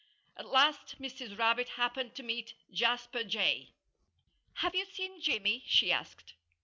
At last Mrs. Rabbit happened to meet Jasper Jay. "Have you seen Jimmy?" she asked.